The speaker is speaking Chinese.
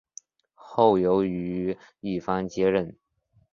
后由于一方接任。